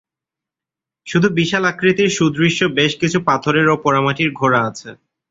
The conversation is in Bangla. শুধু বিশাল আকৃতির সুদৃশ্য বেশ কিছু পাথরের ও পোড়ামাটির ঘোড়া আছে।